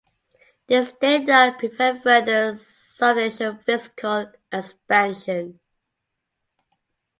This did not prevent further substantial physical expansion.